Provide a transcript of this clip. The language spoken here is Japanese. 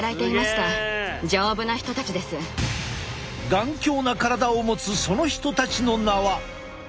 頑強な体を持つその人たちの名は。